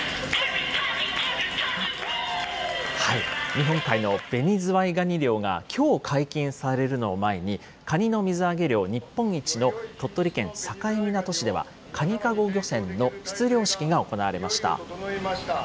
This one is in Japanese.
日本海のベニズワイガニ漁がきょう解禁されるのを前に、カニの水揚げ量日本一の鳥取県境港市では、かにかご漁船の出漁式が行われました。